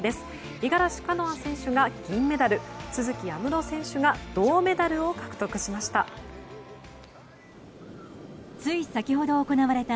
五十嵐カノア選手が銀メダル都筑有夢路選手が銅メダルを獲得しました。